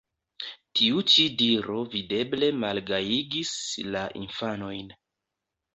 Tiu ĉi diro videble malgajigis la infanojn.